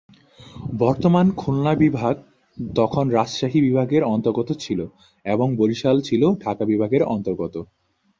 বর্তমান খুলনা বিভাগ তখন রাজশাহী বিভাগের অন্তর্গত ছিলো এবং বরিশাল ছিলো ঢাকা বিভাগের অন্তর্গত।